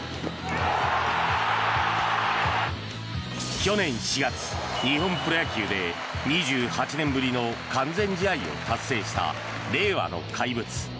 去年４月、日本プロ野球で２８年ぶりの完全試合を達成した令和の怪物。